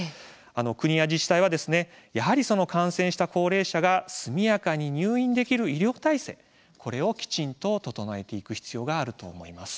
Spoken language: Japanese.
国や自治体はやはり感染した高齢者が速やかに入院できる医療体制を、きちんと整えておく必要があると思います。